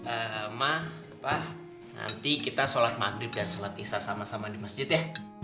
emah pa nanti kita sholat maghrib dan sholat isya sama sama di masjid ya